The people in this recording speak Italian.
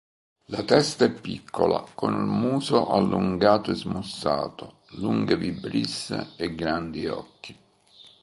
La testa è piccola, con muso allungato e smussato, lunghe vibrisse e grandi occhi.